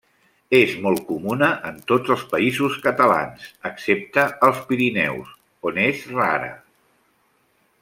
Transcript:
És molt comuna en tots els Països Catalans, excepte als Pirineus, on és rara.